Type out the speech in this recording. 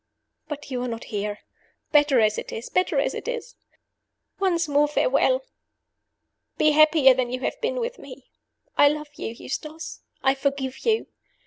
"But you are not here. Better as it is! better as it is! "Once more, farewell! Be happier than you have been with me. I love you, Eustace I forgive you.